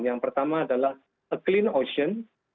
yang pertama adalah a clean ocean